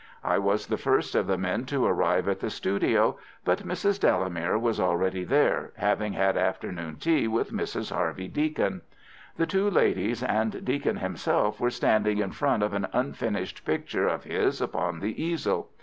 I was the first of the men to arrive at the studio, but Mrs. Delamere was already there, having had afternoon tea with Mrs. Harvey Deacon. The two ladies and Deacon himself were standing in front of an unfinished picture of his upon the easel.